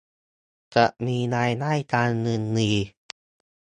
จะมีรายได้การเงินดี